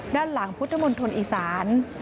ด้านหลังพุทธมนตร์ทนอีสาน